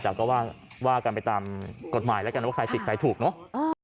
แต่ก็ว่ากันไปตามกฎหมายแล้วกันว่าใครผิดใครถูกเนอะ